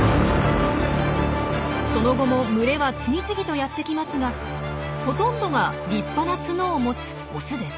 その後も群れは次々とやってきますがほとんどが立派な角を持つオスです。